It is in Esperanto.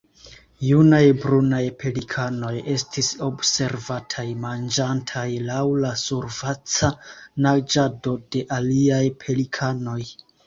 Junaj brunaj pelikanoj estis observataj manĝantaj laŭ la surfaca naĝado de aliaj pelikanoj.